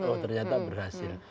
oh ternyata berhasil